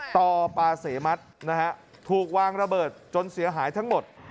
ต่อปาเสมัตินะฮะถูกวางระเบิดจนเสียหายทั้งหมด